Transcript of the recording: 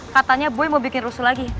katanya buy mau bikin rusuh lagi